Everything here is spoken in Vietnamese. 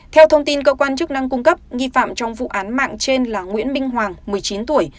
theo thông tin cơ quan chức năng cung cấp nghi phạm trong vụ án mạng trên là nguyễn minh hoàng một mươi chín tuổi